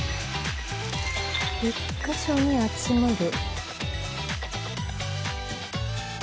１カ所に集まる。